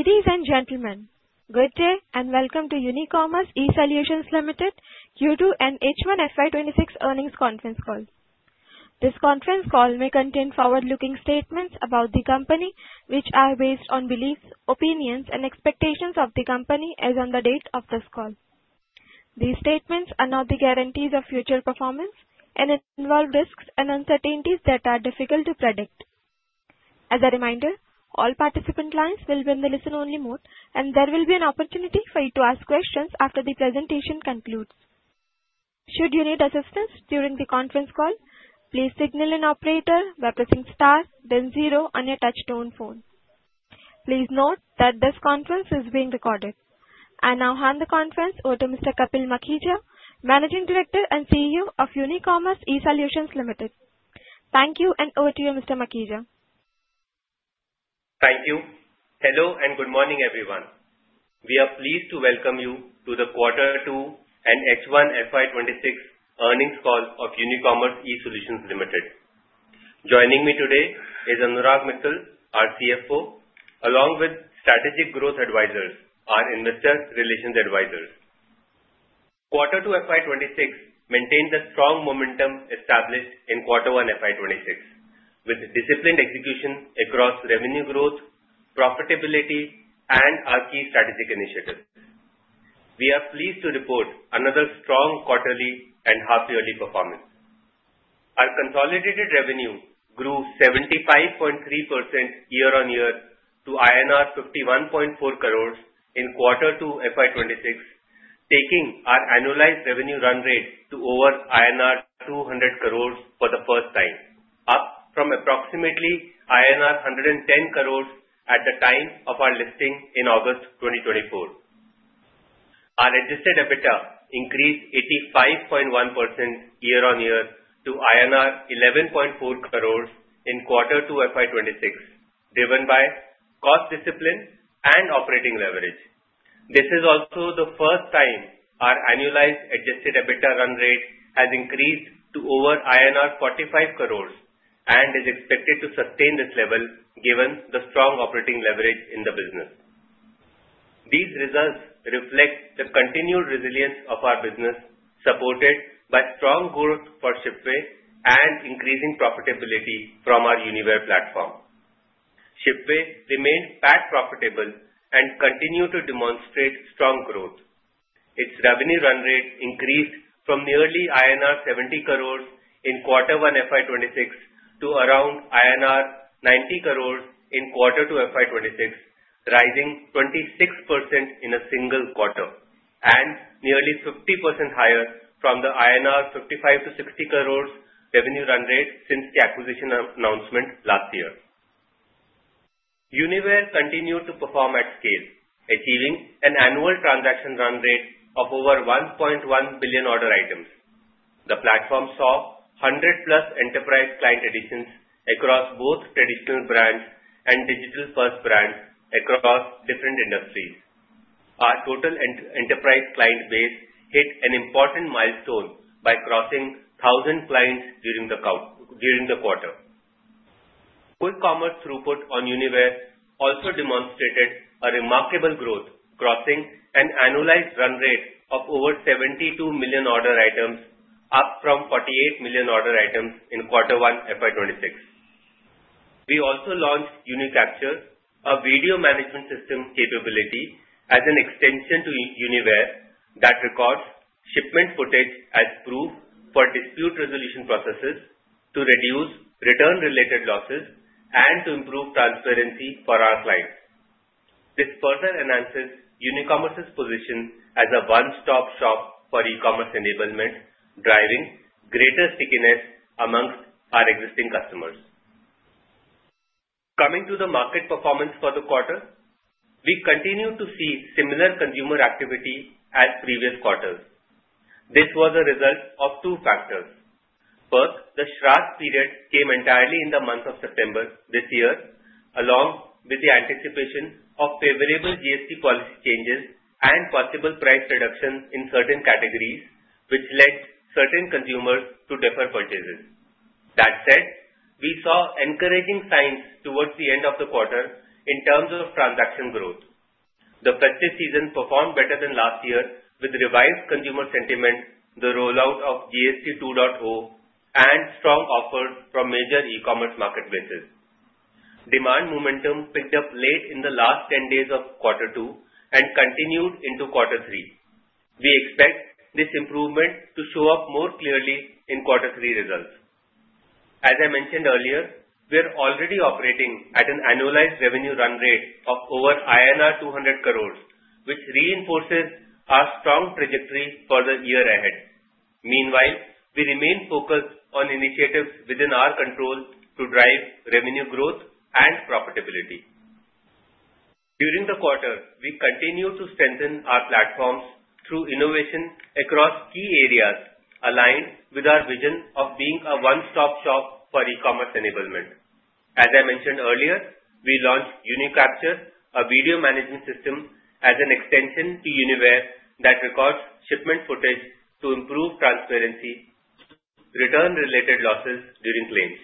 Ladies and gentlemen, good day and welcome to Unicommerce eSolutions Limited Q2 and H1 FY26 Earnings Conference Call. This conference call may contain forward-looking statements about the company, which are based on beliefs, opinions, and expectations of the company as on the date of this call. These statements are not the guarantees of future performance and involve risks and uncertainties that are difficult to predict. As a reminder, all participant lines will be in the listen-only mode, and there will be an opportunity for you to ask questions after the presentation concludes. Should you need assistance during the conference call, please signal an operator by pressing star, then zero, on your touch-tone phone. Please note that this conference is being recorded. I now hand the conference over to Mr. Kapil Makhija, Managing Director and CEO of Unicommerce eSolutions Limited. Thank you, and over to you, Mr. Makhija. Thank you. Hello and good morning, everyone. We are pleased to welcome you to the Q2 and H1 FY26 Earnings Call of Unicommerce eSolutions Limited. Joining me today is Anurag Mittal, our CFO, along with Strategic Growth Advisors, our Investor Relations Advisors. Q2 FY26 maintained the strong momentum established in Q1 FY26, with disciplined execution across revenue growth, profitability, and our key strategic initiatives. We are pleased to report another strong quarterly and half-yearly performance. Our consolidated revenue grew 75.3% year-on-year to INR 51.4 crores in Q2 FY26, taking our Annualized Revenue Run Rate to over INR 200 crores for the first time, up from approximately INR 110 crores at the time of our listing in August 2024. Our Adjusted EBITDA increased 85.1% year-on-year to INR 11.4 crores in Q2 FY26, driven by cost discipline and operating leverage. This is also the first time our Annualized Adjusted EBITDA run rate has increased to over INR 45 crores and is expected to sustain this level given the strong operating leverage in the business. These results reflect the continued resilience of our business, supported by strong growth for Shipway and increasing profitability from our Uniware platform. Shipway remained PAT profitable and continued to demonstrate strong growth. Its Revenue Run Rate increased from nearly INR 70 crores in Q1 FY26 to around INR 90 crores in Q2 FY26, rising 26% in a single quarter, and nearly 50% higher from the INR 55 to 60 crores Revenue Run Rate since the acquisition announcement last year. Uniware continued to perform at scale, achieving an annual transaction run rate of over 1.1 billion order items. The platform saw 100-plus enterprise client additions across both traditional brands and digital-first brands across different industries. Our total enterprise client base hit an important milestone by crossing 1,000 clients during the quarter. Full commerce throughput on Uniware also demonstrated a remarkable growth, crossing an Annualized Run Rate of over 72 million order items, up from 48 million order items in Q1 FY26. We also launched UniCapture, a video management system capability as an extension to Uniware, that records shipment footage as proof for dispute resolution processes to reduce return-related losses and to improve transparency for our clients. This further enhances Unicommerce's position as a one-stop shop for e-commerce enablement, driving greater stickiness amongst our existing customers. Coming to the market performance for the quarter, we continue to see similar consumer activity as previous quarters. This was a result of two factors. First, the Shravan period came entirely in the month of September this year, along with the anticipation of favorable GST policy changes and possible price reductions in certain categories, which led certain consumers to defer purchases. That said, we saw encouraging signs towards the end of the quarter in terms of transaction growth. The festive season performed better than last year, with revised consumer sentiment, the rollout of GST 2.0, and strong offers from major e-commerce marketplaces. Demand momentum picked up late in the last 10 days of Q2 and continued into Q3. We expect this improvement to show up more clearly in Q3 results. As I mentioned earlier, we are already operating at an Annualized Revenue Run Rate of over INR 200 crores, which reinforces our strong trajectory for the year ahead. Meanwhile, we remain focused on initiatives within our control to drive revenue growth and profitability. During the quarter, we continue to strengthen our platforms through innovation across key areas, aligned with our vision of being a one-stop shop for e-commerce enablement. As I mentioned earlier, we launched UniCapture, a video management system as an extension to Uniware that records shipment footage to improve transparency and return-related losses during claims.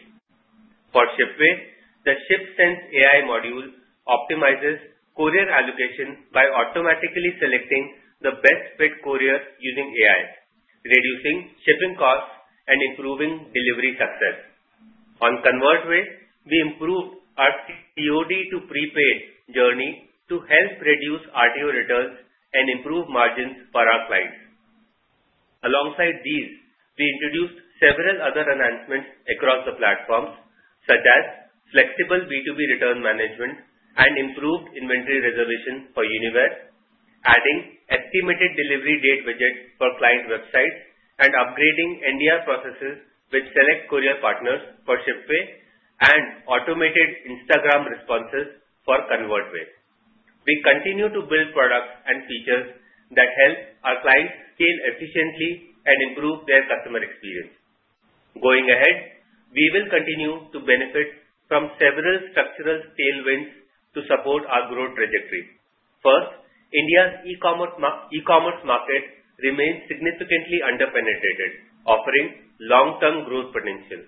For Shipway, the ShipSense AI module optimizes courier allocation by automatically selecting the best-fit courier using AI, reducing shipping costs and improving delivery success. On ConvertWay, we improved our COD to prepaid journey to help reduce RTO returns and improve margins for our clients. Alongside these, we introduced several other enhancements across the platforms, such as flexible B2B return management and improved inventory reservation for Uniware, adding estimated delivery date widgets for client websites, and upgrading NDR processes with select courier partners for Shipway and automated Instagram responses for ConvertWay. We continue to build products and features that help our clients scale efficiently and improve their customer experience. Going ahead, we will continue to benefit from several structural tailwinds to support our growth trajectory. First, India's e-commerce market remains significantly underpenetrated, offering long-term growth potential.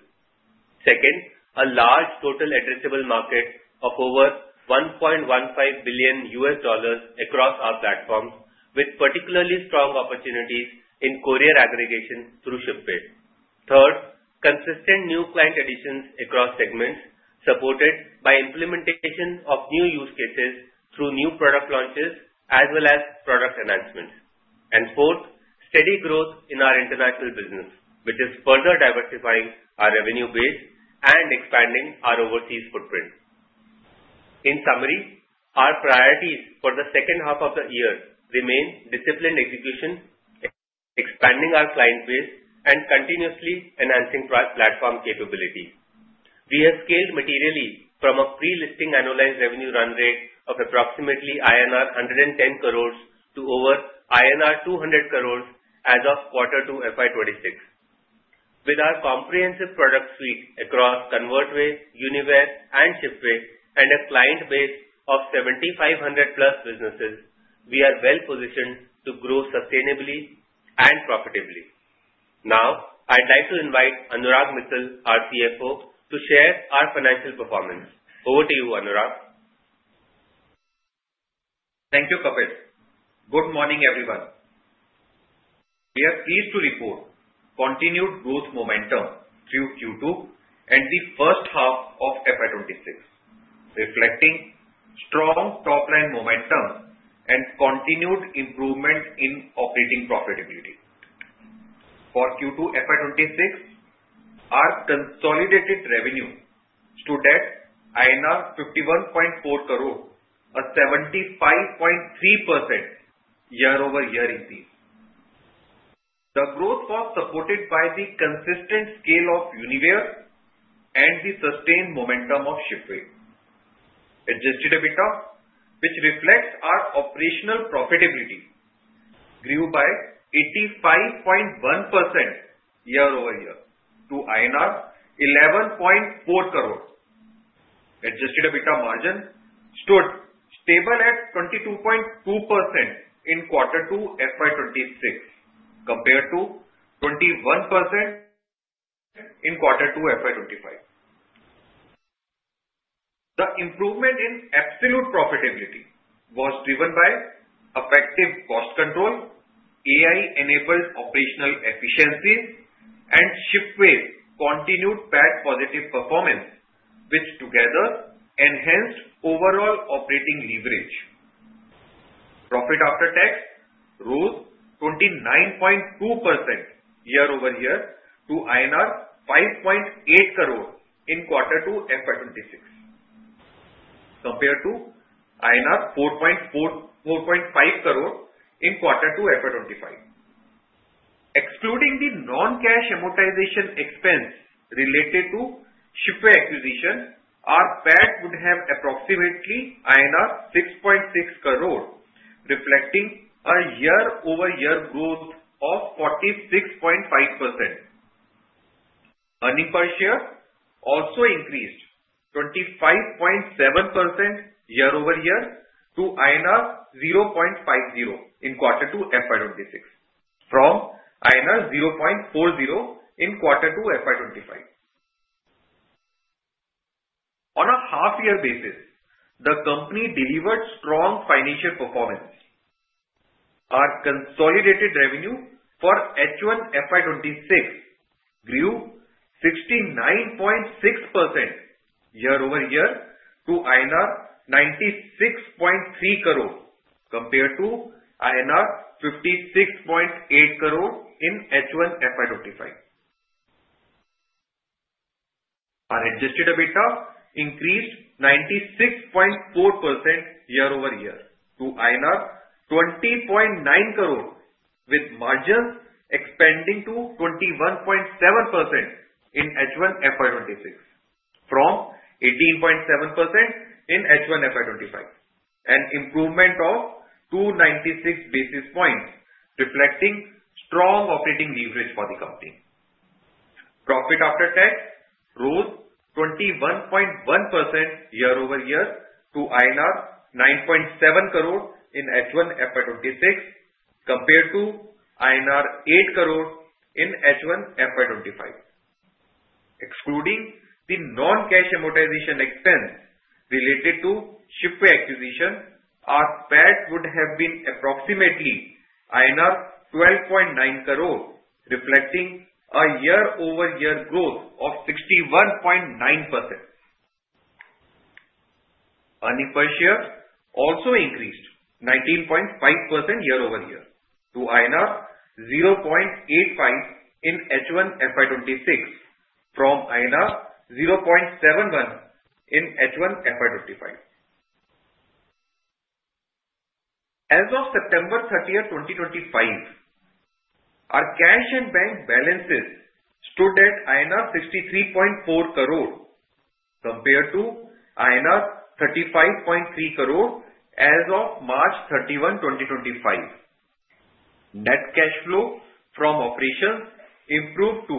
Second, a large total addressable market of over $1.15 billion across our platforms, with particularly strong opportunities in courier aggregation through Shipway. Third, consistent new client additions across segments, supported by implementation of new use cases through new product launches as well as product enhancements. And fourth, steady growth in our international business, which is further diversifying our revenue base and expanding our overseas footprint. In summary, our priorities for the second half of the year remain disciplined execution, expanding our client base, and continuously enhancing platform capability. We have scaled materially from a pre-listing Annualized Revenue Run Rate of approximately INR 110 crores to over INR 200 crores as of Q2 FY26. With our comprehensive product suite across ConvertWay, Uniware, and Shipway, and a client base of 7,500-plus businesses, we are well-positioned to grow sustainably and profitably. Now, I'd like to invite Anurag Mittal, our CFO, to share our financial performance. Over to you, Anurag. Thank you, Kapil. Good morning, everyone. We are pleased to report continued growth momentum through Q2 and the first half of FY26, reflecting strong top-line momentum and continued improvement in operating profitability. For Q2 FY26, our consolidated revenue stood at INR 51.4 crores, a 75.3% year-over-year increase. The growth was supported by the consistent scale of Uniware and the sustained momentum of Shipway. Adjusted EBITDA, which reflects our operational profitability, grew by 85.1% year-over-year to INR 11.4 crores. Adjusted EBITDA margin stood stable at 22.2% in Q2 FY26, compared to 21% in Q2 FY25. The improvement in absolute profitability was driven by effective cost control, AI-enabled operational efficiencies, and Shipway's continued PAT positive performance, which together enhanced overall operating leverage. Profit after tax rose 29.2% year-over-year to INR 5.8 crores in Q2 FY26, compared to INR 4.5 crores in Q2 FY25. Excluding the non-cash amortization expense related to Shipway acquisition, our PAT would have approximately INR 6.6 crores, reflecting a year-over-year growth of 46.5%. Earnings per share also increased 25.7% year-over-year to INR 0.50 in Q2 FY26, from INR 0.40 in Q2 FY25. On a half-year basis, the company delivered strong financial performance. Our consolidated revenue for H1 FY26 grew 69.6% year-over-year to INR 96.3 crores, compared to INR 56.8 crores in H1 FY25. Our Adjusted EBITDA increased 96.4% year-over-year to INR 20.9 crores, with margins expanding to 21.7% in H1 FY26, from 18.7% in H1 FY25, an improvement of 296 basis points, reflecting strong operating leverage for the company. Profit after tax rose 21.1% year-over-year to INR 9.7 crores in H1 FY26, compared to INR 8 crores in H1 FY25. Excluding the non-cash amortization expense related to Shipway acquisition, our PAT would have been approximately INR 12.9 crores, reflecting a year-over-year growth of 61.9%. Earnings per share also increased 19.5% year-over-year to INR 0.85 in H1 FY26, from INR 0.71 in H1 FY25. As of September 30, 2025, our cash and bank balances stood at INR 63.4 crores, compared to INR 35.3 crores as of March 31, 2025. Net cash flow from operations improved to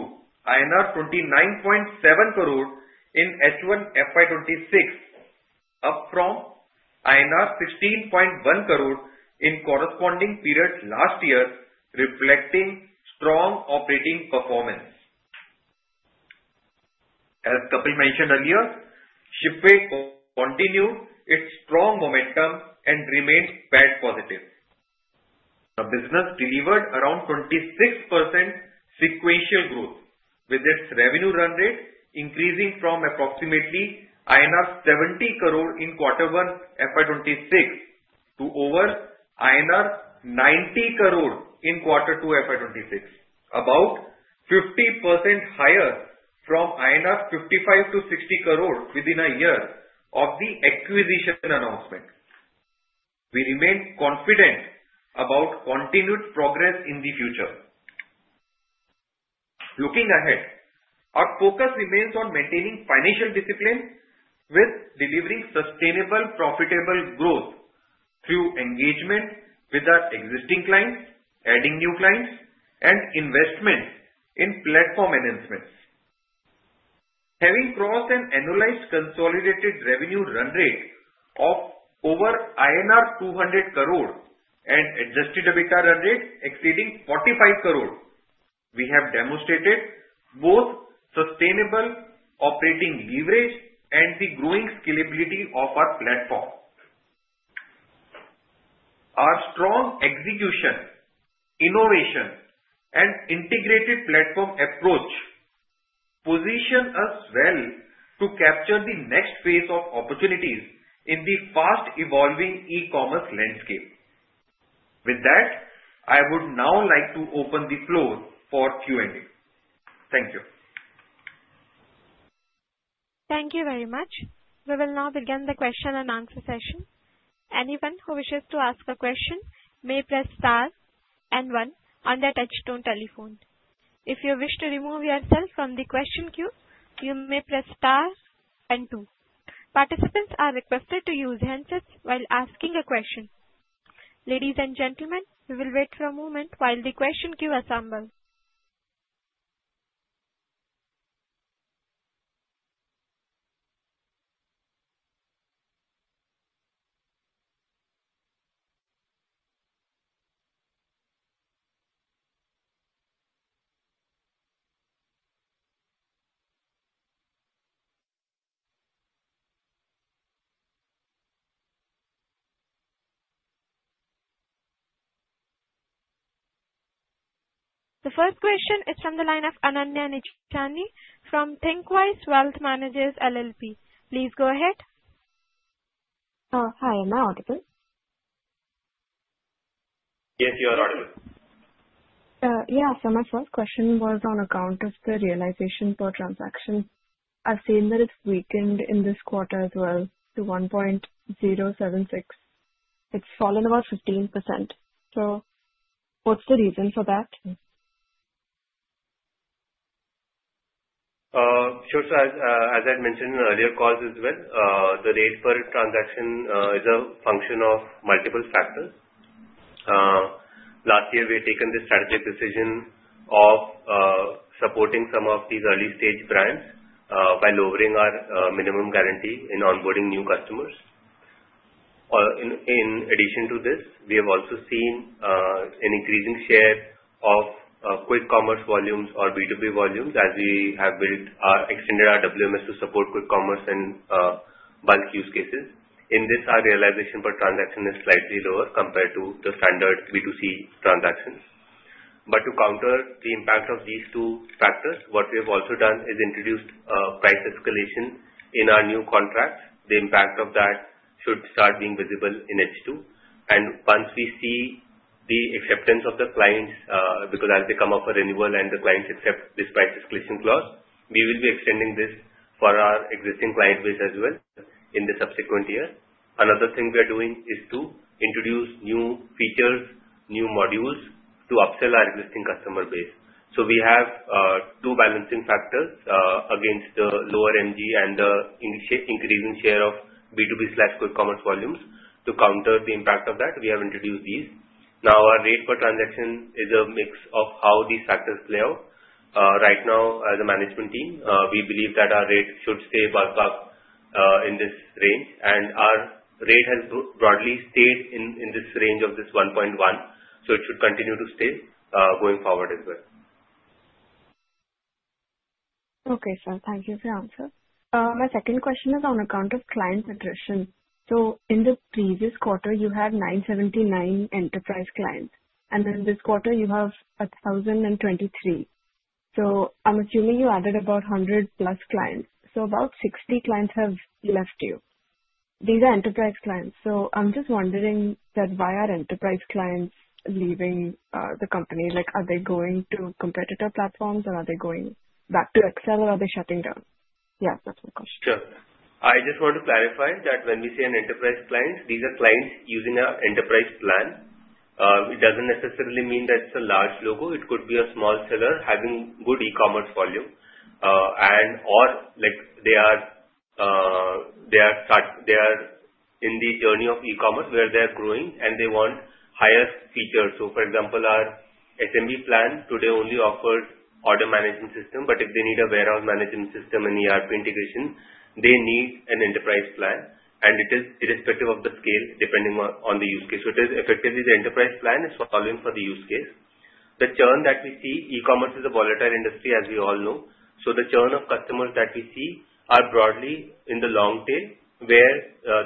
INR 29.7 crores in H1 FY26, up from INR 16.1 crores in corresponding period last year, reflecting strong operating performance. As Kapil mentioned earlier, Shipway continued its strong momentum and remained PAT positive. The business delivered around 26% sequential growth, with its Revenue Run Rate increasing from approximately INR 70 crores in Q1 FY26 to over INR 90 crores in Q2 FY26, about 50% higher from 55-60 crores INR within a year of the acquisition announcement. We remain confident about continued progress in the future. Looking ahead, our focus remains on maintaining financial discipline, with delivering sustainable profitable growth through engagement with our existing clients, adding new clients, and investment in platform enhancements. Having crossed an Annualized Consolidated Revenue Run Rate of over INR 200 crores and Adjusted EBITDA run rate exceeding 45 crores, we have demonstrated both sustainable operating leverage and the growing scalability of our platform. Our strong execution, innovation, and integrated platform approach position us well to capture the next phase of opportunities in the fast-evolving e-commerce landscape. With that, I would now like to open the floor for Q&A. Thank you. Thank you very much. We will now begin the question and answer session. Anyone who wishes to ask a question may press star and one on the touch-tone telephone. If you wish to remove yourself from the question queue, you may press star and two. Participants are requested to use handsets while asking a question. Ladies and gentlemen, we will wait for a moment while the question queue assembles. The first question is from the line of Ananya Nichani from Thinqwise Wealth Managers LLP. Please go ahead. Hi, am I audible? Yes, you are audible. Yeah, so my first question was on account of the realization per transaction. I've seen that it's weakened in this quarter as well to 1.076. It's fallen about 15%. So what's the reason for that? Sure. So as I had mentioned in earlier calls as well, the rate per transaction is a function of multiple factors. Last year, we had taken the strategic decision of supporting some of these early-stage brands by lowering our minimum guarantee in onboarding new customers. In addition to this, we have also seen an increasing share of Quick Commerce volumes or B2B volumes as we have extended our WMS to support Quick Commerce and bulk use cases. In this, our realization per transaction is slightly lower compared to the standard B2C transactions. But to counter the impact of these two factors, what we have also done is introduced price escalation in our new contracts. The impact of that should start being visible in H2. Once we see the acceptance of the clients, because as they come up for renewal and the clients accept this price escalation clause, we will be extending this for our existing client base as well in the subsequent year. Another thing we are doing is to introduce new features, new modules to upsell our existing customer base. We have two balancing factors against the lower MG and the increasing share of B2B/Quick Commerce volumes. To counter the impact of that, we have introduced these. Now, our rate per transaction is a mix of how these factors play out. Right now, as a management team, we believe that our rate should stay ballpark in this range. Our rate has broadly stayed in this range of 1.1, so it should continue to stay going forward as well. Okay, sir. Thank you for your answer. My second question is on account of client attrition. So in the previous quarter, you had 979 enterprise clients. And then this quarter, you have 1,023. So I'm assuming you added about 100-plus clients. So about 60 clients have left you. These are enterprise clients. So I'm just wondering why enterprise clients are leaving the company. Are they going to competitor platforms, or are they going back to Excel, or are they shutting down? Yeah, that's my question. Sure. I just want to clarify that when we say an enterprise client, these are clients using an enterprise plan. It doesn't necessarily mean that it's a large logo. It could be a small seller having good e-commerce volume. And/or they are in the journey of e-commerce where they are growing, and they want higher features. So, for example, our SMB plan today only offers order management system. But if they need a warehouse management system and ERP integration, they need an enterprise plan. And it is irrespective of the scale, depending on the use case. So it is effectively the enterprise plan is following for the use case. The churn that we see. E-commerce is a volatile industry, as we all know. So the churn of customers that we see are broadly in the long tail, where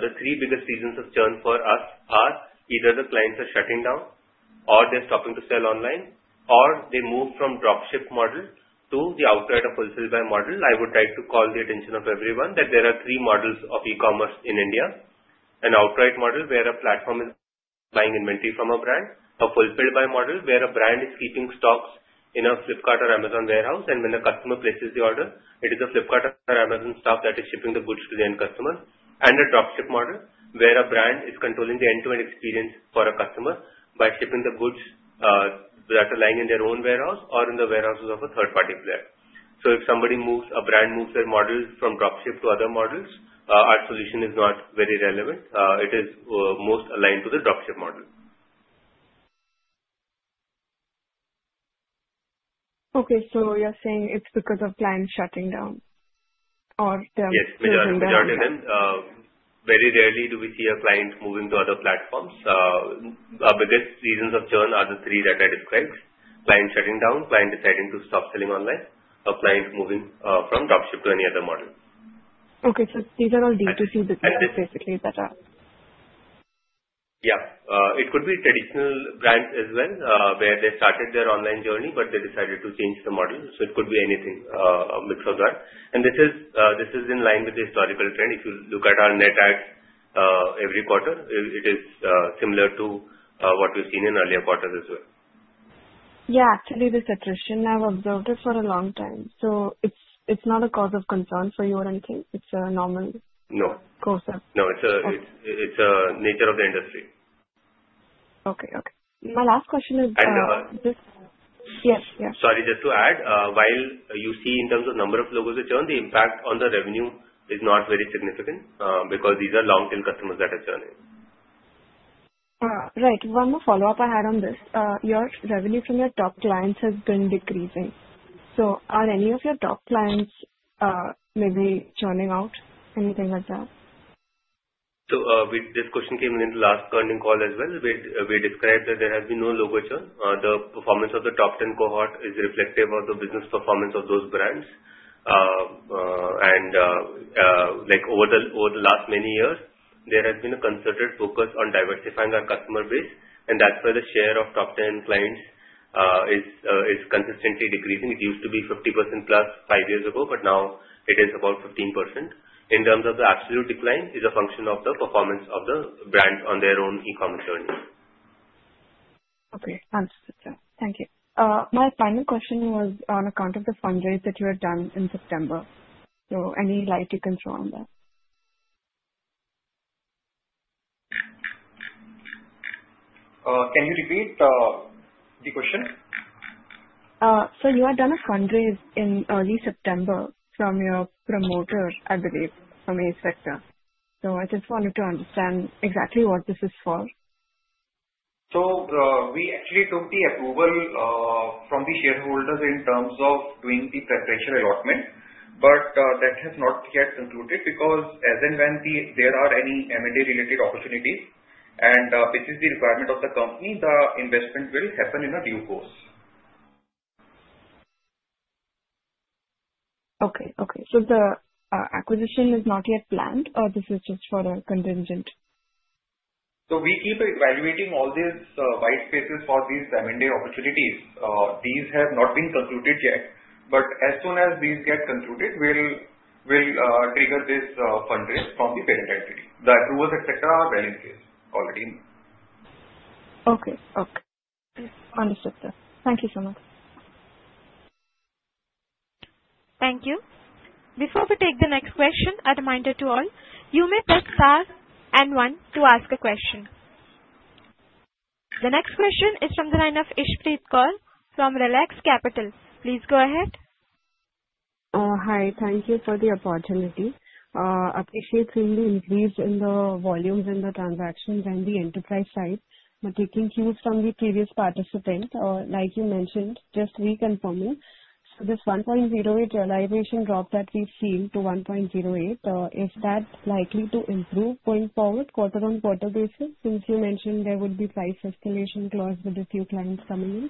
the three biggest reasons of churn for us are either the clients are shutting down, or they're stopping to sell online, or they moved from Dropship model to the outright or fulfilled by model. I would like to call the attention of everyone that there are three models of e-commerce in India. An outright model, where a platform is buying inventory from a brand. A fulfilled by model, where a brand is keeping stocks in a Flipkart or Amazon warehouse. And when the customer places the order, it is a Flipkart or Amazon stock that is shipping the goods to the end customer. And a Dropship model, where a brand is controlling the end-to-end experience for a customer by shipping the goods that are lying in their own warehouse or in the warehouses of a third-party player. So if a brand moves their models from Dropship to other models, our solution is not very relevant. It is most aligned to the Dropship model. Okay. So you're saying it's because of clients shutting down or them? Yes, majority of them. Very rarely do we see a client moving to other platforms. Our biggest reasons of churn are the three that I described: client shutting down, client deciding to stop selling online, or client moving from Dropship to any other model. Okay, so these are all B2C businesses, basically, that are. Yeah. It could be traditional brands as well, where they started their online journey, but they decided to change the model. So it could be anything, a mix of that. And this is in line with the historical trend. If you look at our net adds every quarter, it is similar to what we've seen in earlier quarters as well. Yeah. Actually, this attrition, I've observed it for a long time. So it's not a cause of concern for you or anything? It's a normal? No. Goes up. No. It's a nature of the industry. Okay. Okay. My last question is just. And. Yes, yeah. Sorry, just to add, while you see in terms of number of logos that churn, the impact on the revenue is not very significant because these are long-tail customers that are churning. Right. One more follow-up I had on this. Your revenue from your top clients has been decreasing. So are any of your top clients maybe churning out? Anything like that? This question came in the last earnings call as well. We described that there has been no logo churn. The performance of the top 10 cohort is reflective of the business performance of those brands. And over the last many years, there has been a concerted focus on diversifying our customer base. And that's where the share of top 10 clients is consistently decreasing. It used to be 50% plus five years ago, but now it is about 15%. In terms of the absolute decline, it is a function of the performance of the brands on their own e-commerce journey. Okay. Understood, sir. Thank you. My final question was on account of the fundraise that you had done in September. So any light you can throw on that? Can you repeat the question? You had done a fundraise in early September from your promoter, I believe, from AceVector. I just wanted to understand exactly what this is for. So we actually took the approval from the shareholders in terms of doing the preferential allotment. But that has not yet concluded because as and when there are any M&A-related opportunities, and this is the requirement of the company, the investment will happen in due course. Okay. So the acquisition is not yet planned, or this is just for a contingent? So we keep evaluating all these white spaces for these M&A opportunities. These have not been concluded yet. But as soon as these get concluded, we'll trigger this fundraise from the parent entity. The approvals, etc., are well in place already. Okay. Okay. Understood, sir. Thank you so much. Thank you. Before we take the next question, a reminder to all, you may press star and one to ask a question. The next question is from the line of Ishpreet Kaur from Relax Capital. Please go ahead. Hi. Thank you for the opportunity. Appreciate seeing the increase in the volumes in the transactions and the enterprise side. But taking cues from the previous participant, like you mentioned, just reconfirming, so this 1.08 realization drop that we've seen to 1.08, is that likely to improve going forward quarter-on-quarter basis since you mentioned there would be price escalation clause with a few clients coming in?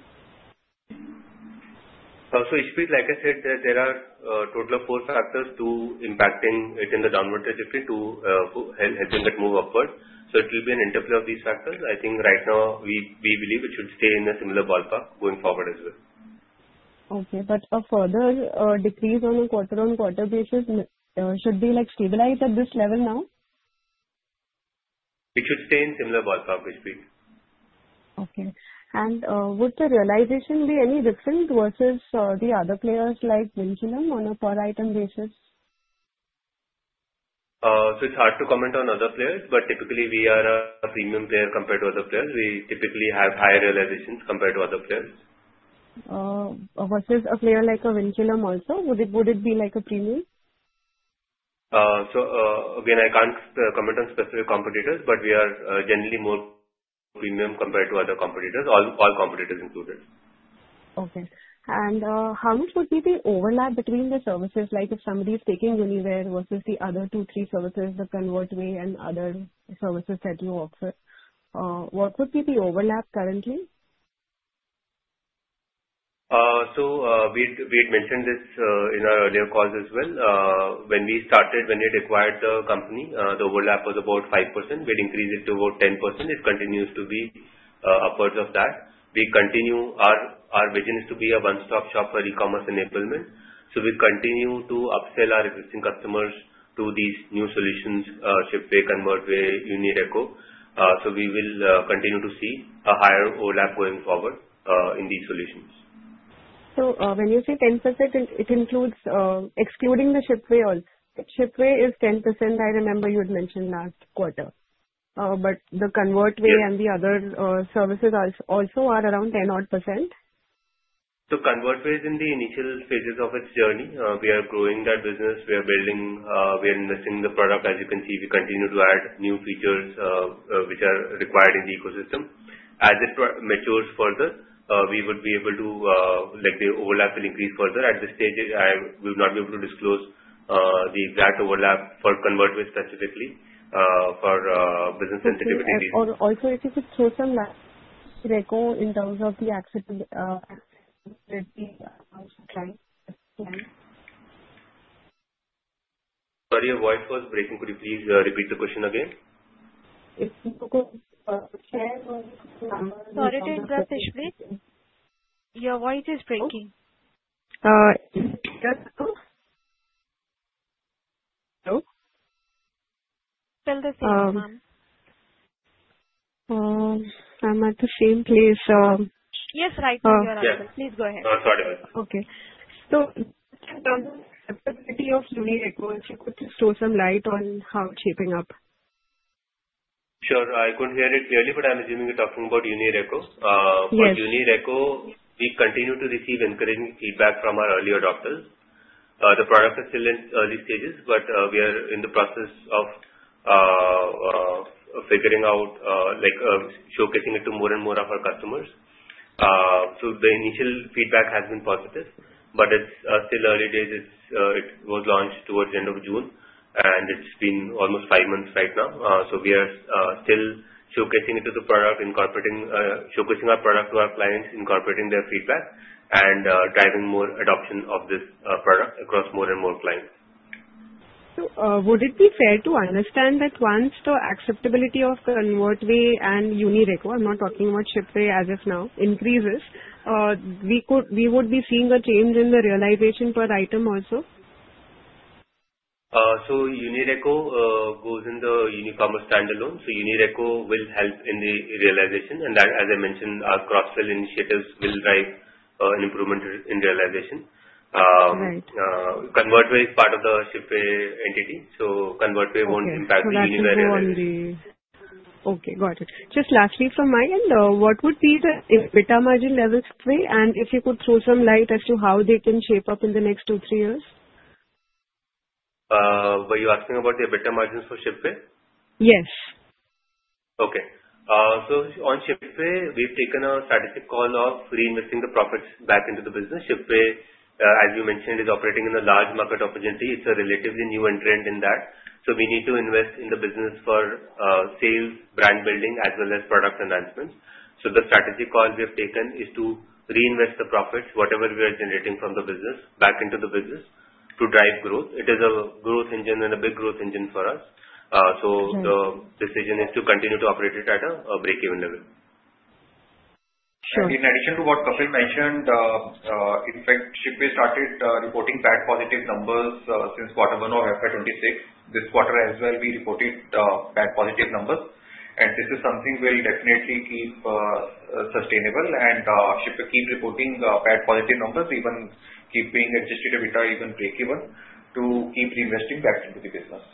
So Ishpreet, like I said, there are a total of four factors impacting it in the downward trajectory to helping that move upward. So it will be an interplay of these factors. I think right now, we believe it should stay in a similar ballpark going forward as well. Okay. But a further decrease on a quarter-on-quarter basis should be stabilized at this level now? It should stay in similar ballpark, Ishpreet. Okay. And would the realization be any different versus the other players like Vinculum on a per item basis? So it's hard to comment on other players, but typically, we are a premium player compared to other players. We typically have higher realizations compared to other players. Versus a player like a Vinculum also, would it be like a premium? So again, I can't comment on specific competitors, but we are generally more premium compared to other competitors, all competitors included. Okay. And how much would be the overlap between the services? Like if somebody is taking Uniware versus the other two, three services, the ConvertWay and other services that you offer, what would be the overlap currently? So we had mentioned this in our earlier calls as well. When we started, when we had acquired the company, the overlap was about 5%. We had increased it to about 10%. It continues to be upwards of that. Our vision is to be a one-stop shop for e-commerce enablement. So we continue to upsell our existing customers to these new solutions: Shipway, ConvertWay, UniReco. So we will continue to see a higher overlap going forward in these solutions. So when you say 10%, it includes, excluding the Shipway, also. Shipway is 10%. I remember you had mentioned last quarter. But the ConvertWay and the other services also are around 10-odd%. ConvertWay is in the initial phases of its journey. We are growing that business. We are building. We are investing in the product. As you can see, we continue to add new features which are required in the ecosystem. As it matures further, we would be able to let the overlap increase further. At this stage, we will not be able to disclose the exact overlap for ConvertWay specifically for business sensitivity reasons. Also, if you could throw some UniReco in terms of the accessibility of clients. Sorry, your voice was breaking. Could you please repeat the question again? Sorry, to interrupt, Ishpreet? Your voice is breaking. Hello? Hello? Still the same, ma'am. I'm at the same place. Yes, right now you're on. Please go ahead. No, sorry about that. Okay. So in terms of accessibility of UniReco, if you could just throw some light on how it's shaping up? Sure. I couldn't hear it clearly, but I'm assuming you're talking about UniReco. But UniReco, we continue to receive encouraging feedback from our earlier adopters. The product is still in early stages, but we are in the process of figuring out showcasing it to more and more of our customers. So the initial feedback has been positive. But it's still early days. It was launched towards the end of June, and it's been almost five months right now. So we are still showcasing our product to our clients, incorporating their feedback, and driving more adoption of this product across more and more clients. Would it be fair to understand that once the acceptability of ConvertWay and UniReco, I'm not talking about Shipway as of now, increases, we would be seeing a change in the realization per item also? UniReco goes in the Unicommerce standalone. UniReco will help in the realization. And as I mentioned, our cross-sell initiatives will drive an improvement in realization. ConvertWay is part of the Shipway entity. ConvertWay won't impact the Uniware realization. Okay. Got it. Just lastly from my end, what would be the EBITDA margin level for Shipway? And if you could throw some light as to how they can shape up in the next two, three years? Were you asking about the beta margins for Shipway? Yes. Okay. So on Shipway, we've taken a strategic call of reinvesting the profits back into the business. Shipway, as you mentioned, is operating in a large market opportunity. It's a relatively new entrant in that. So we need to invest in the business for sales, brand building, as well as product enhancements. So the strategy call we have taken is to reinvest the profits, whatever we are generating from the business, back into the business to drive growth. It is a growth engine and a big growth engine for us. So the decision is to continue to operate it at a break-even level. Sure. In addition to what Kapil mentioned, in fact, Shipway started reporting PAT positive numbers since quarter one of FY26. This quarter as well, we reported PAT positive numbers, and this is something we'll definitely keep sustainable. And Shipway keeps reporting PAT positive numbers, even keeping Adjusted EBITDA better, even break-even, to keep reinvesting back into the business.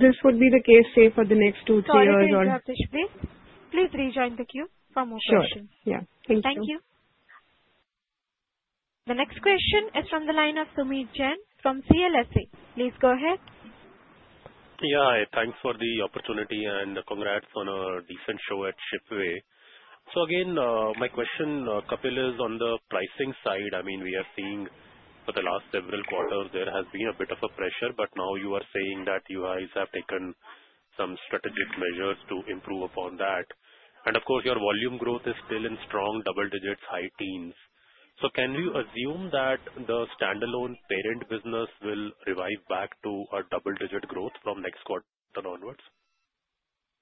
This would be the case, say, for the next two, three years? Anything else, Ishpreet? Please rejoin the queue for more questions. Sure. Yeah. Thank you. Thank you. The next question is from the line of Sumeet Jain from CLSA. Please go ahead. Yeah. Thanks for the opportunity and congrats on a decent show at Shipway. So again, my question, Kapil, is on the pricing side. I mean, we are seeing for the last several quarters, there has been a bit of a pressure. But now you are saying that you guys have taken some strategic measures to improve upon that. And of course, your volume growth is still in strong double digits, high teens. So can we assume that the standalone parent business will revive back to a double digit growth from next quarter onwards?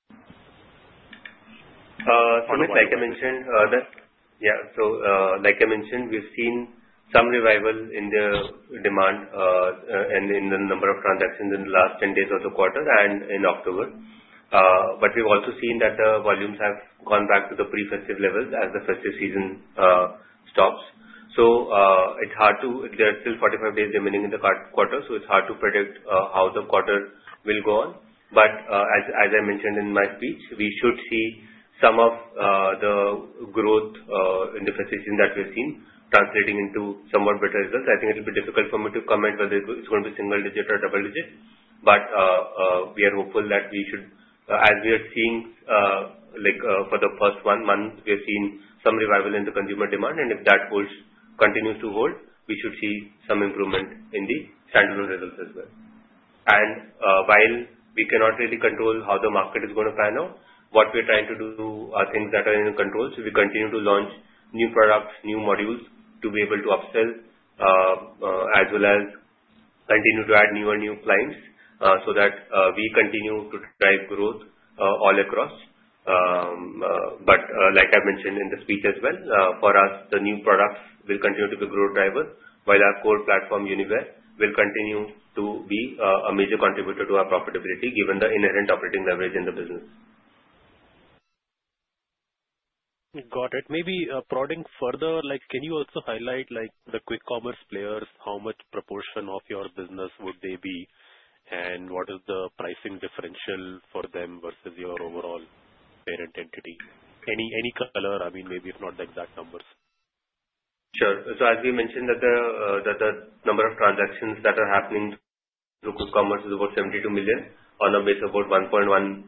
So like I mentioned earlier, yeah. So like I mentioned, we've seen some revival in the demand and in the number of transactions in the last 10 days of the quarter and in October. But we've also seen that the volumes have gone back to the pre-festive levels as the festive season stops. So it's hard to. There are still 45 days remaining in the quarter. So it's hard to predict how the quarter will go on. But as I mentioned in my speech, we should see some of the growth in the festive season that we've seen translating into somewhat better results. I think it'll be difficult for me to comment whether it's going to be single digit or double digit. But we are hopeful that we should, as we are seeing for the first one month, we have seen some revival in the consumer demand. If that continues to hold, we should see some improvement in the standalone results as well. While we cannot really control how the market is going to pan out, what we're trying to do are things that are in control. We continue to launch new products, new modules to be able to upsell, as well as continue to add new and new clients so that we continue to drive growth all across. Like I mentioned in the speech as well, for us, the new products will continue to be growth drivers, while our core platform, Uniware, will continue to be a major contributor to our profitability given the inherent operating leverage in the business. Got it. Maybe prodding further, can you also highlight the Quick Commerce players, how much proportion of your business would they be, and what is the pricing differential for them versus your overall parent entity? Any color, I mean, maybe if not the exact numbers. Sure. So as we mentioned, the number of transactions that are happening through Quick Commerce is about 72 million on a base of about 1.1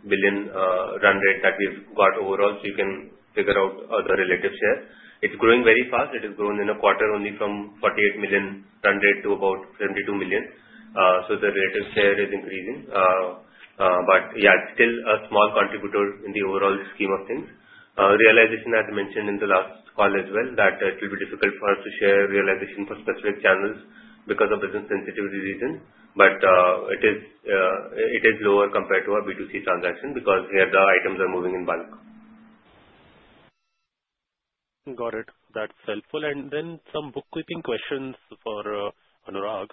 billion run rate that we've got overall. So you can figure out the relative share. It's growing very fast. It has grown in a quarter only from 48 million run rate to about 72 million. So the relative share is increasing. But yeah, it's still a small contributor in the overall scheme of things. Realization, as mentioned in the last call as well, that it will be difficult for us to share realization for specific channels because of business sensitivity reasons. But it is lower compared to our B2C transaction because here the items are moving in bulk. Got it. That's helpful. And then some bookkeeping questions for Anurag.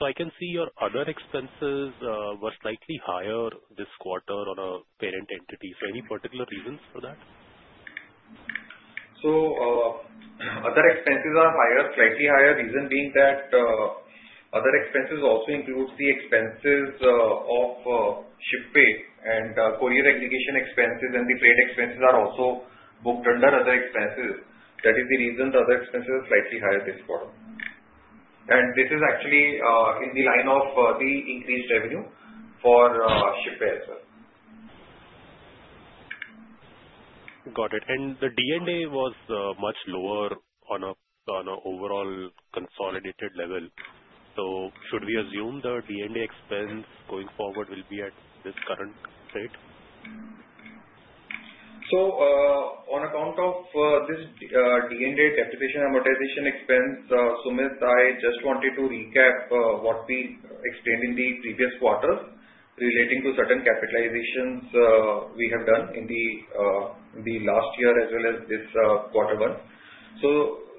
So I can see your other expenses were slightly higher this quarter on a parent entity. So any particular reasons for that? So other expenses are higher, slightly higher. Reason being that other expenses also include the expenses of Shipway. And courier aggregation expenses and the freight expenses are also booked under other expenses. That is the reason the other expenses are slightly higher this quarter. And this is actually in the line of the increased revenue for Shipway as well. Got it. And the D&A was much lower on an overall consolidated level. So should we assume the D&A expense going forward will be at this current rate? On account of this D&A capitalization expense, Sumeet, I just wanted to recap what we explained in the previous quarters relating to certain capitalizations we have done in the last year as well as this quarter one.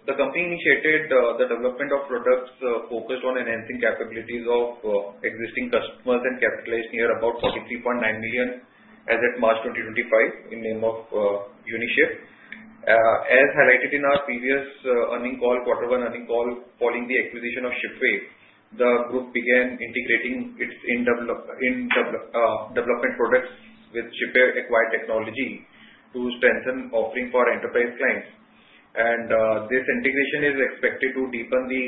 The company initiated the development of products focused on enhancing capabilities of existing customers and capitalized near about 43.9 million as of March 2025 in name of UniShip. As highlighted in our previous quarter one earnings call, following the acquisition of Shipway, the group began integrating its development products with Shipway acquired technology to strengthen offering for enterprise clients. This integration is expected to deepen the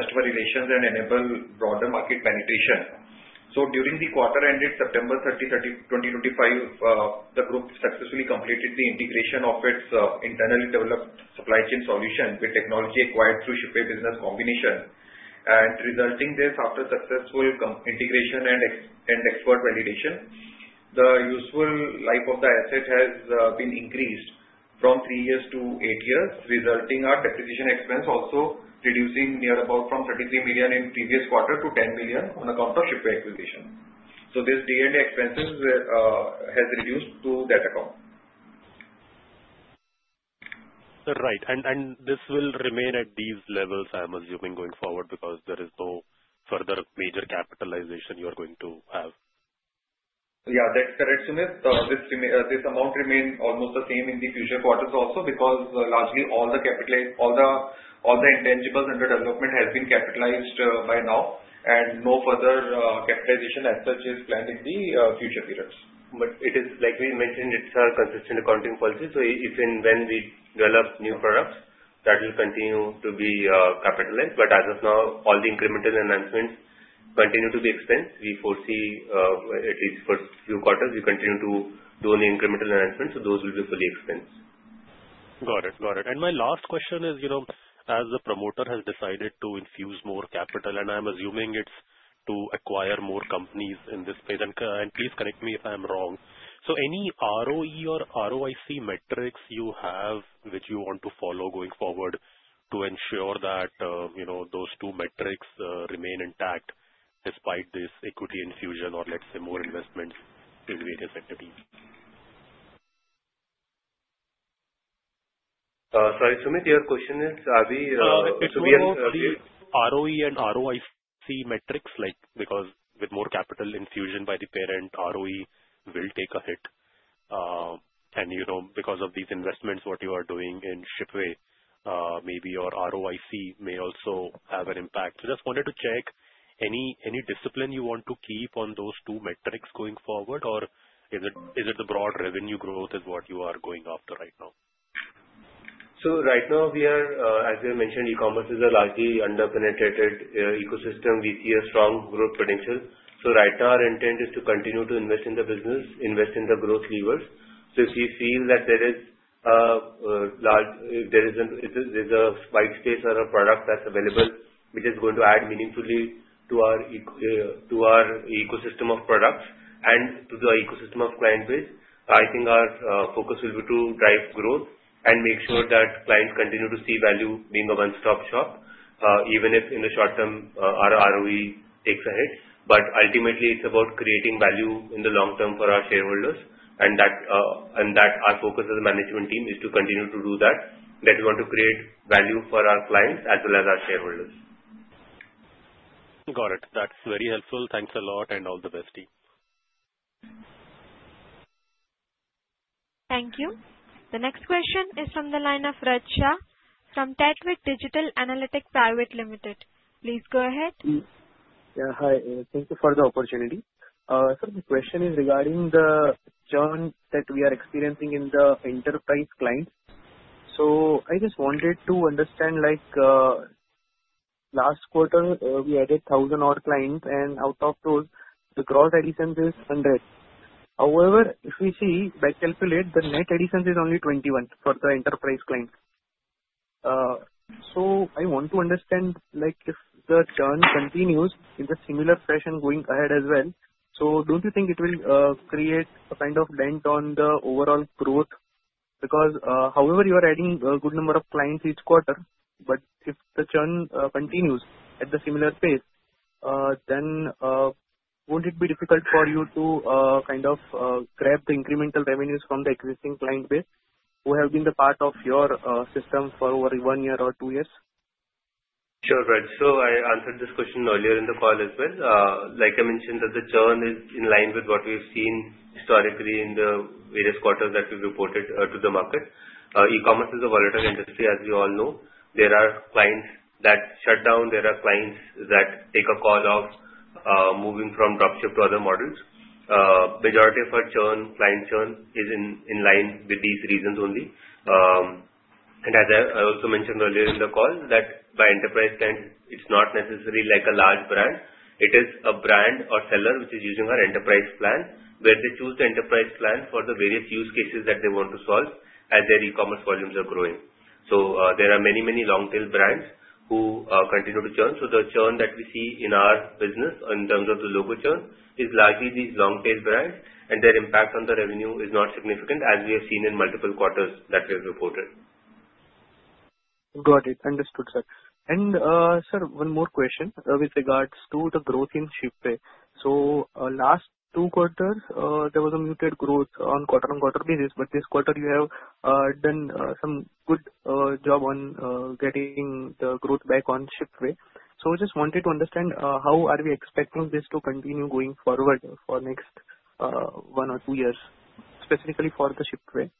customer relations and enable broader market penetration. During the quarter ended September 30, 2025, the group successfully completed the integration of its internally developed supply chain solution with technology acquired through Shipway business combination. Resulting this, after successful integration and expert validation, the useful life of the asset has been increased from three years to eight years, resulting in our depreciation expense also reducing near about from 33 million in previous quarter to 10 million on account of Shipway acquisition. This D&A expenses has reduced to that account. Right. And this will remain at these levels, I'm assuming, going forward because there is no further major capitalization you are going to have. Yeah, that's correct, Sumeet. This amount remains almost the same in the future quarters also because largely all the intangibles under development have been capitalized by now, and no further capitalization as such is planned in the future periods, but it is, like we mentioned, it's a consistent accounting policy, so if and when we develop new products, that will continue to be capitalized. But as of now, all the incremental enhancements continue to be expense. We foresee at least for a few quarters, we continue to do any incremental enhancements, so those will be fully expense. Got it. Got it. And my last question is, as the promoter has decided to infuse more capital, and I'm assuming it's to acquire more companies in this space, and please correct me if I'm wrong. So any ROE or ROIC metrics you have which you want to follow going forward to ensure that those two metrics remain intact despite this equity infusion or, let's say, more investments in various entities? Sorry, Sumeet, your question is, are we? ROE and ROIC metrics, because with more capital infusion by the parent, ROE will take a hit. And because of these investments, what you are doing in Shipway, maybe your ROIC may also have an impact. So just wanted to check, any discipline you want to keep on those two metrics going forward, or is it the broad revenue growth is what you are going after right now? Right now, we are, as we have mentioned, e-commerce is a largely under-penetrated ecosystem. We see a strong growth potential. Right now, our intent is to continue to invest in the business, invest in the growth levers. If we feel that there is a white space or a product that's available, which is going to add meaningfully to our ecosystem of products and to the ecosystem of client base, I think our focus will be to drive growth and make sure that clients continue to see value being a one-stop shop, even if in the short term, our ROE takes a hit. But ultimately, it's about creating value in the long term for our shareholders. Our focus as a management team is to continue to do that, that we want to create value for our clients as well as our shareholders. Got it. That's very helpful. Thanks a lot and all the best, team. Thank you. The next question is from the line of Vraj Shah. From Tatvic Digital Analytics Private Limited. Please go ahead. Yeah. Hi. Thank you for the opportunity. So the question is regarding the churn that we are experiencing in the enterprise clients. So I just wanted to understand, last quarter, we added 1,000 more clients, and out of those, the gross additions is 100. However, if we see, by calculation, the net additions is only 21 for the enterprise clients. So I want to understand if the churn continues in the similar fashion going ahead as well. So don't you think it will create a kind of dent on the overall growth? Because however you are adding a good number of clients each quarter, but if the churn continues at the similar pace, then won't it be difficult for you to kind of grab the incremental revenues from the existing client base who have been the part of your system for over one year or two years? Sure, right. So I answered this question earlier in the call as well. Like I mentioned, the churn is in line with what we've seen historically in the various quarters that we've reported to the market. E-commerce is a volatile industry, as we all know. There are clients that shut down. There are clients that take a call on moving from Dropship to other models. Majority of our churn, client churn, is in line with these reasons only. And as I also mentioned earlier in the call, that an enterprise client, it's not necessarily like a large brand. It is a brand or seller which is using our enterprise plan, where they choose the enterprise plan for the various use cases that they want to solve as their e-commerce volumes are growing. So there are many, many long-tail brands who continue to churn. So the churn that we see in our business in terms of the local churn is largely these long-tail brands, and their impact on the revenue is not significant, as we have seen in multiple quarters that we have reported. Got it. Understood, sir. And sir, one more question with regards to the growth in Shipway. So last two quarters, there was a muted growth on quarter-on-quarter basis. But this quarter, you have done some good job on getting the growth back on Shipway. So I just wanted to understand, how are we expecting this to continue going forward for next one or two years, specifically for the Shipway?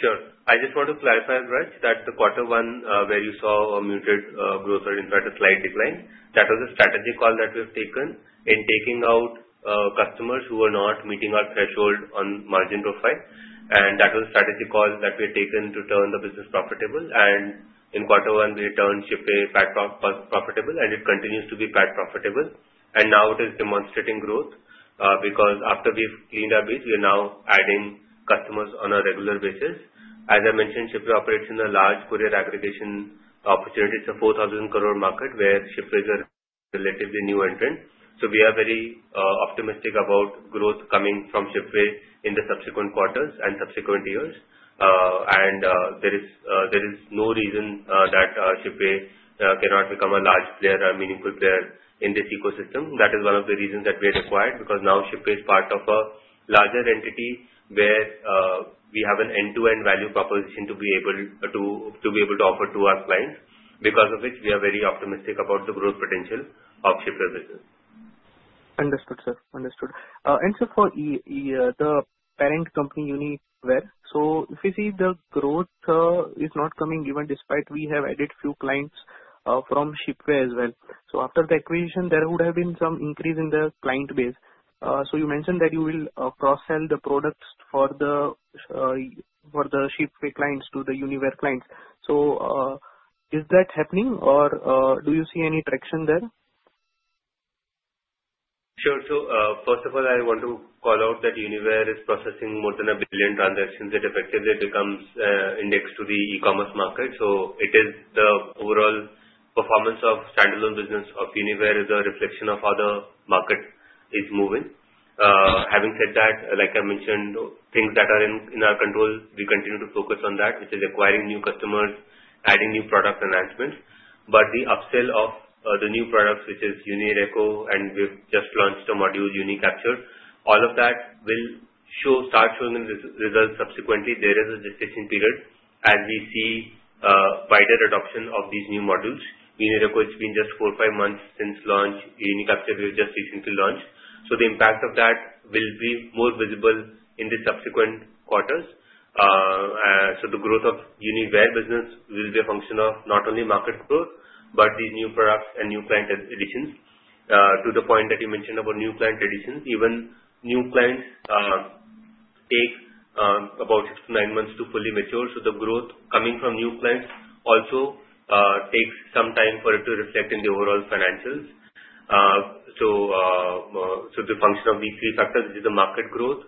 Sure. I just want to clarify, Vraj, that the quarter one where you saw a muted growth or in fact, a slight decline, that was a strategic call that we have taken in taking out customers who were not meeting our threshold on margin profile. And that was a strategic call that we had taken to turn the business profitable. And in quarter one, we had turned Shipway profitable, and it continues to be profitable. And now it is demonstrating growth because after we've cleaned our base, we are now adding customers on a regular basis. As I mentioned, Shipway operates in a large courier aggregation opportunity. It's a 4,000-crore market where Shipway is a relatively new entrant. So, we are very optimistic about growth coming from Shipway in the subsequent quarters and subsequent years. And there is no reason that Shipway cannot become a large player or meaningful player in this ecosystem. That is one of the reasons that we had acquired because now Shipway is part of a larger entity where we have an end-to-end value proposition to be able to offer to our clients. Because of which, we are very optimistic about the growth potential of Shipway business. Understood, sir. Understood. And sir, for the parent company Uniware, so if we see the growth is not coming even despite we have added few clients from Shipway as well. So after the acquisition, there would have been some increase in the client base. So you mentioned that you will cross-sell the products for the Shipway clients to the Uniware clients. So is that happening, or do you see any traction there? Sure. So first of all, I want to call out that Uniware is processing more than a billion transactions. It effectively becomes indexed to the e-commerce market. So it is the overall performance of standalone business of Uniware is a reflection of how the market is moving. Having said that, like I mentioned, things that are in our control, we continue to focus on that, which is acquiring new customers, adding new product enhancements. But the upsell of the new products, which is UniReco, and we've just launched a module, UniCapture, all of that will start showing results subsequently. There is a gestation period as we see wider adoption of these new modules. UniReco, it's been just four or five months since launch. UniCapture, we've just recently launched. So the impact of that will be more visible in the subsequent quarters. So the growth of Uniware business will be a function of not only market growth, but these new products and new client additions. To the point that you mentioned about new client additions, even new clients take about six-to-nine months to fully mature. So the growth coming from new clients also takes some time for it to reflect in the overall financials. So the function of these three factors is the market growth,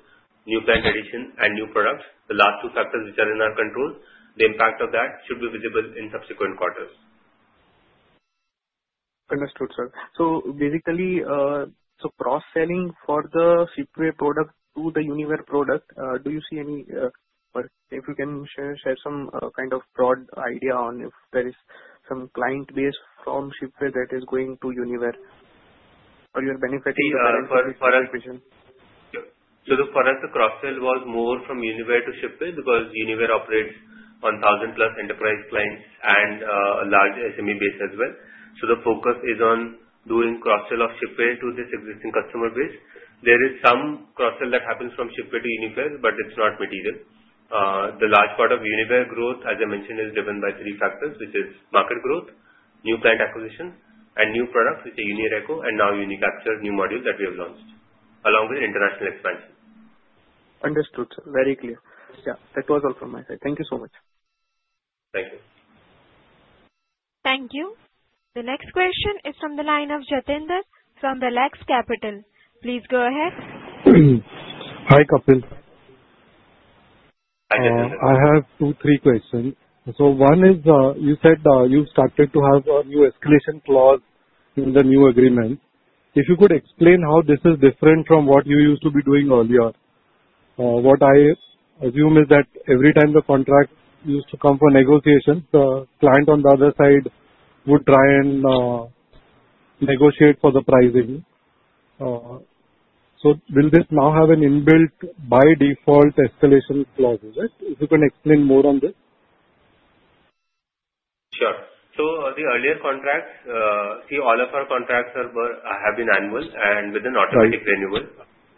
new client addition, and new products. The last two factors, which are in our control, the impact of that should be visible in subsequent quarters. Understood, sir. So basically, so cross-selling for the Shipway product to the Uniware product, do you see any—or if you can share some kind of broad idea on if there is some client base from Shipway that is going to Uniware or you are benefiting from the acquisition? So for us, the cross-sell was more from Uniware to Shipway because Uniware operates on 1,000-plus enterprise clients and a large SME base as well. So the focus is on doing cross-sell of Shipway to this existing customer base. There is some cross-sell that happens from Shipway to Uniware, but it's not material. The large part of Uniware growth, as I mentioned, is driven by three factors, which are market growth, new client acquisition, and new products, which are UniReco and now UniCapture, new modules that we have launched, along with international expansion. Understood, sir. Very clear. Yeah. That was all from my side. Thank you so much. Thank you. Thank you. The next question is from the line of Jatinder from Relax Capital. Please go ahead. Hi, Kapil. Hi, Jatinder. I have two, three questions. So one is, you said you started to have a new escalation clause in the new agreement. If you could explain how this is different from what you used to be doing earlier. What I assume is that every time the contract used to come for negotiations, the client on the other side would try and negotiate for the pricing. So will this now have a built-in, by default, escalation clause? If you can explain more on this. Sure. So the earlier contracts, see, all of our contracts have been annual and with an automatic renewal.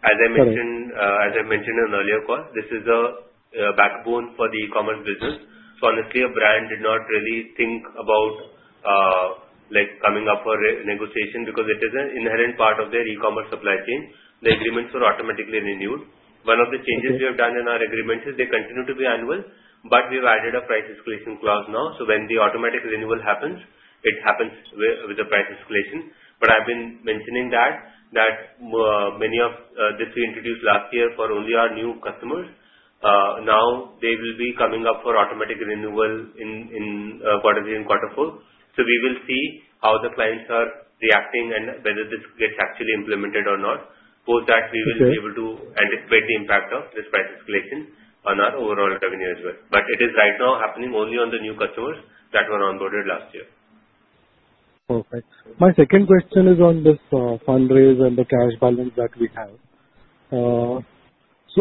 As I mentioned in an earlier call, this is a backbone for the e-commerce business. So honestly, a brand did not really think about coming up for negotiation because it is an inherent part of their e-commerce supply chain. The agreements were automatically renewed. One of the changes we have done in our agreement is they continue to be annual, but we have added a price escalation clause now. So when the automatic renewal happens, it happens with a price escalation. But I've been mentioning that many of this we introduced last year for only our new customers. Now they will be coming up for automatic renewal in quarter three and quarter four. So we will see how the clients are reacting and whether this gets actually implemented or not. Post that, we will be able to anticipate the impact of this price escalation on our overall revenue as well. But it is right now happening only on the new customers that were onboarded last year. Perfect. My second question is on this fundraise and the cash balance that we have. So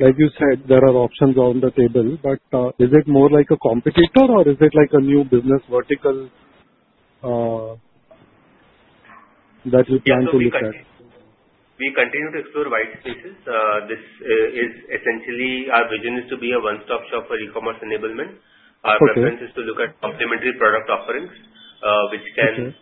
like you said, there are options on the table, but is it more like a competitor or is it like a new business vertical that you plan to look at? We continue to explore white spaces. This is essentially our vision is to be a one-stop shop for e-commerce enablement. Our preference is to look at complementary product offerings which can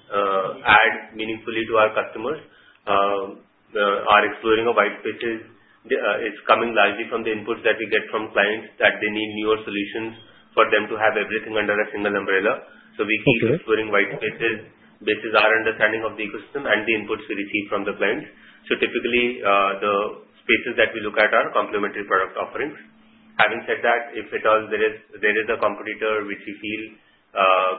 add meaningfully to our customers. Our exploring of white spaces is coming largely from the inputs that we get from clients that they need newer solutions for them to have everything under a single umbrella, so we keep exploring white spaces based on our understanding of the ecosystem and the inputs we receive from the clients, so typically, the spaces that we look at are complementary product offerings. Having said that, if at all there is a competitor which we feel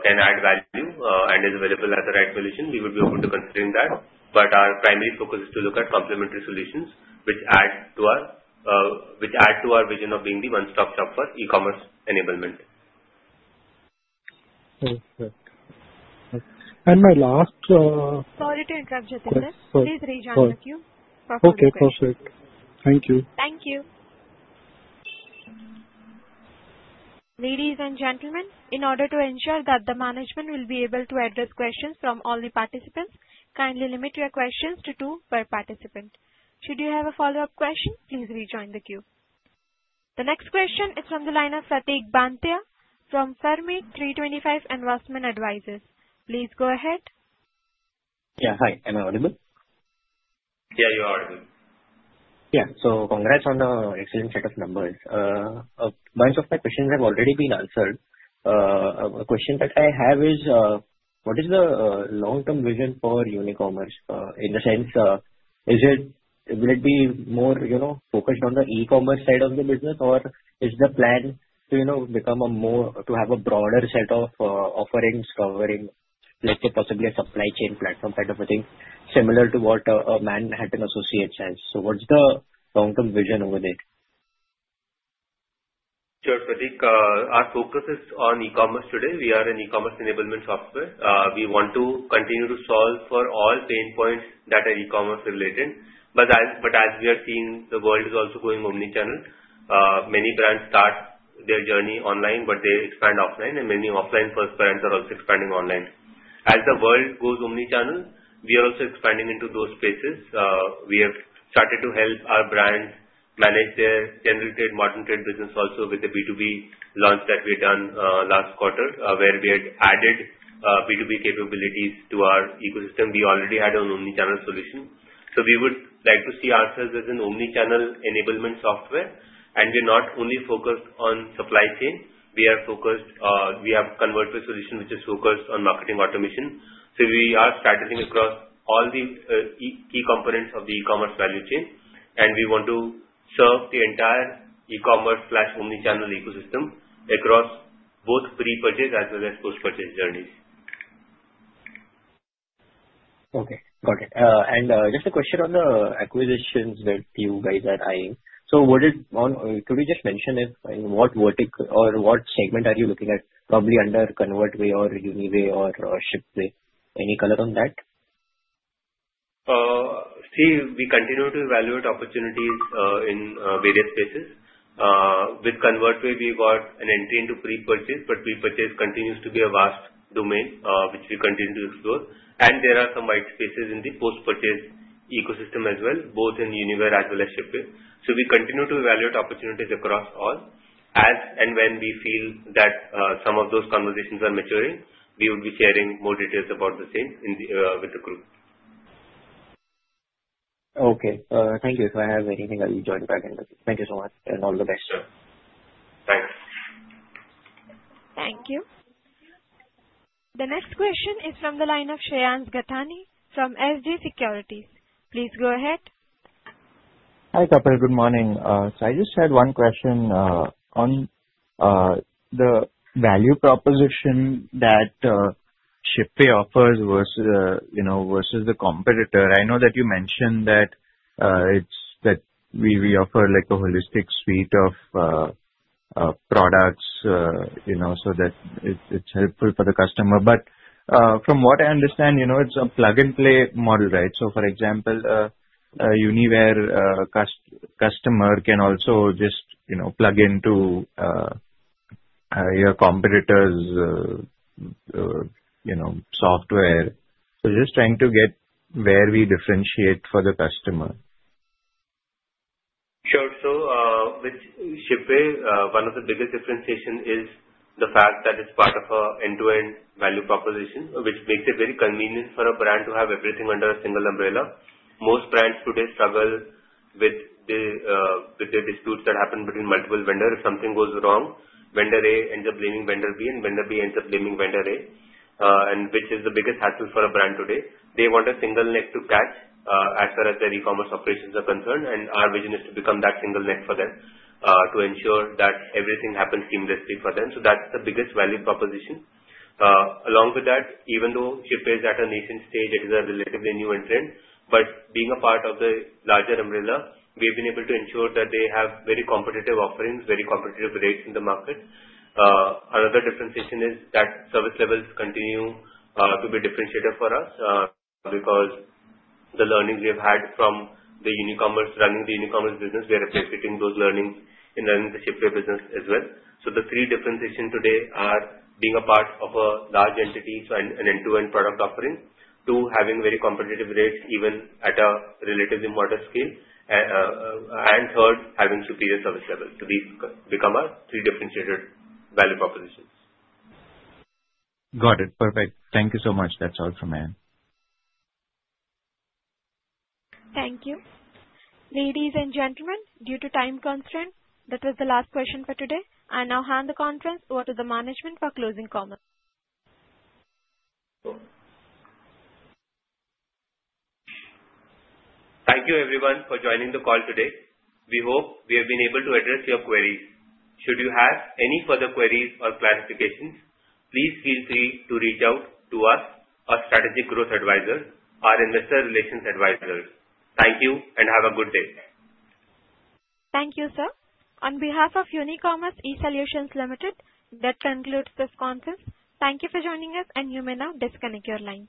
can add value and is available as a right solution, we would be open to considering that. Our primary focus is to look at complementary solutions which add to our vision of being the one-stop shop for e-commerce enablement. Perfect. And my last. Sorry to interrupt, Jatinder. Please rejoin with you. Okay. Perfect. Thank you. Thank you. Ladies and gentlemen, in order to ensure that the management will be able to address questions from all the participants, kindly limit your questions to two per participant. Should you have a follow-up question, please rejoin the queue. The next question is from the line of Pratik Banthia from Fermi325 Investment Advisers. Please go ahead. Yeah. Hi. Am I audible? Yeah, you are audible. Yeah. So congrats on the excellent set of numbers. A bunch of my questions have already been answered. A question that I have is, what is the long-term vision for Unicommerce in the sense will it be more focused on the e-commerce side of the business, or is the plan to become a more to have a broader set of offerings covering, let's say, possibly a supply chain platform kind of a thing similar to what a Manhattan Associates has? So what's the long-term vision over there? Sure. Pratik, our focus is on e-commerce today. We are an e-commerce enablement software. We want to continue to solve for all pain points that are e-commerce related. But as we have seen, the world is also going omnichannel. Many brands start their journey online, but they expand offline, and many offline first brands are also expanding online. As the world goes omnichannel, we are also expanding into those spaces. We have started to help our brands manage their general trade, modern trade business also with the B2B launch that we had done last quarter, where we had added B2B capabilities to our ecosystem. We already had an omnichannel solution. So, we would like to see ourselves as an omnichannel enablement software and we are not only focused on supply chain. We have ConvertWay solution which is focused on marketing automation. We are strategic across all the key components of the e-commerce value chain. We want to serve the entire e-commerce/omnichannel ecosystem across both pre-purchase as well as post-purchase journeys. Okay. Got it. And just a question on the acquisitions that you guys are eyeing. So what did you just mention is what vertical or what segment are you looking at probably under ConvertWay or Uniware or Shipway? Any color on that? See, we continue to evaluate opportunities in various spaces. With ConvertWay, we got an entry into pre-purchase, but pre-purchase continues to be a vast domain which we continue to explore, and there are some white spaces in the post-purchase ecosystem as well, both in Uniware as well as Shipway, so we continue to evaluate opportunities across all. As and when we feel that some of those conversations are maturing, we will be sharing more details about the same with the group. Okay. Thank you. If I have anything, I'll join back in. Thank you so much and all the best. Sure. Thanks. Thank you. The next question is from the line of Shreyans Gathani from SG Securities. Please go ahead. Hi Kapil. Good morning. So I just had one question on the value proposition that Shipway offers versus the competitor. I know that you mentioned that we offer a holistic suite of products so that it's helpful for the customer. But from what I understand, it's a plug-and-play model, right? So for example, a Uniware customer can also just plug into your competitor's software. So just trying to get where we differentiate for the customer. Sure. With Shipway, one of the biggest differentiations is the fact that it's part of an end-to-end value proposition, which makes it very convenient for a brand to have everything under a single umbrella. Most brands today struggle with the disputes that happen between multiple vendors. If something goes wrong, vendor A ends up blaming vendor B, and vendor B ends up blaming vendor A, which is the biggest hassle for a brand today. They want a single throat to choke as far as their e-commerce operations are concerned. Our vision is to become that single throat for them to ensure that everything happens seamlessly for them. That's the biggest value proposition. Along with that, even though Shipway is at a nascent stage, it is a relatively new entrant. But being a part of the larger umbrella, we have been able to ensure that they have very competitive offerings, very competitive rates in the market. Another differentiation is that service levels continue to be differentiated for us because the learnings we have had from running the e-commerce business, we are appreciating those learnings in running the Shipway business as well. So the three differentiations today are being a part of a large entity and an end-to-end product offering, two, having very competitive rates even at a relatively modest scale, and third, having superior service levels. So these become our three differentiated value propositions. Got it. Perfect. Thank you so much. That's all from me. Thank you. Ladies and gentlemen, due to time constraints, that was the last question for today. I now hand the conference over to the management for closing comments. Thank you, everyone, for joining the call today. We hope we have been able to address your queries. Should you have any further queries or clarifications, please feel free to reach out to us, our Strategic Growth Advisors, our investor relations advisors. Thank you and have a good day. Thank you, sir. On behalf of Unicommerce eSolutions Limited, that concludes this conference. Thank you for joining us, and you may now disconnect your line.